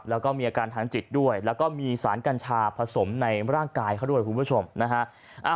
แล้วก็มีอาการทางจิตด้วยแล้วก็มีสารกัญชาผสมในร่างกายเขาด้วยคุณผู้ชมนะฮะ